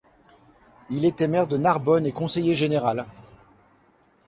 Il était maire de Narbonne et conseiller général.